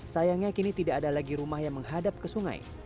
sayangnya kini tidak ada lagi rumah yang menghadap ke sungai